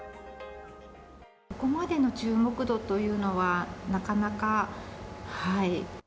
ここまでの注目度というのは、なかなか、はい。